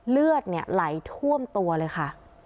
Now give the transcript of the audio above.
เลือดไหลท่วมตัวเลยค่ะ